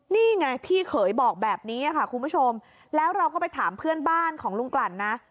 นี่ไงพี่เขยบอกแบบนี้ค่ะคุณผู้ชมแล้วเราก็ไปถามเพื่อนบ้านของลุงกลั่นนะ